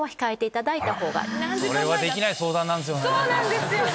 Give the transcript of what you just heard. そうなんですよね！